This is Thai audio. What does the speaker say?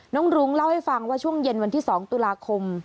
รุ้งเล่าให้ฟังว่าช่วงเย็นวันที่๒ตุลาคม